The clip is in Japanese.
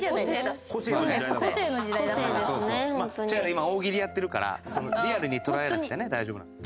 今大喜利やってるからリアルに捉えなくてね大丈夫なんで。